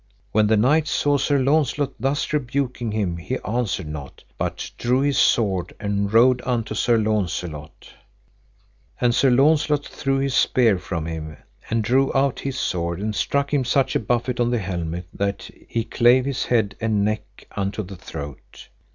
When the knight saw Sir Launcelot thus rebuking him he answered not, but drew his sword and rode unto Sir Launcelot, and Sir Launcelot threw his spear from him, and drew out his sword, and struck him such a buffet on the helmet that he clave his head and neck unto the throat.